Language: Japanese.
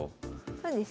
そうですね。